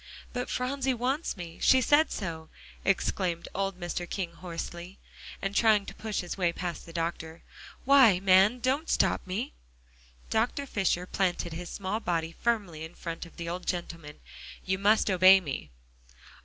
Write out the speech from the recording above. "But Phronsie wants me; she said so," exclaimed old Mr. King hoarsely, and trying to push his way past the doctor. "Why, man, don't stop me." Dr. Fisher planted his small body firmly in front of the old gentleman. "You must obey me."